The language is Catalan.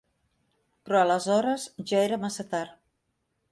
Però aleshores ja era massa tard.